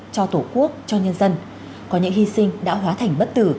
cho tổ quốc cho nhân dân có những hy sinh đã hóa thành bất tử